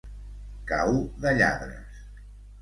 Cau de lladres.